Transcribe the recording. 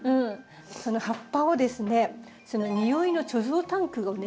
その葉っぱをですね匂いの貯蔵タンクをね